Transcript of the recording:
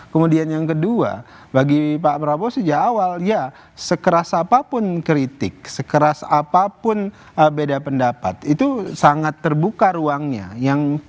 kemudian yang kedua bagi pak prabowo sejak awal ya sekeras apapun kritik sekeras apapun beda pendapat itu sangat terbuka ruangnya